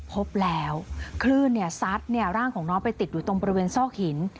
พบแล้วคลื่นซัดร่างของน้องไปติดอยู่ตรงบริเวณซอกหิน